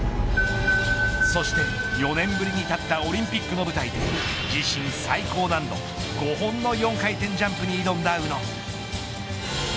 そして４年ぶりに立ったオリンピックの舞台で自身最高難度５本の４回転ジャンプに挑んだ宇野。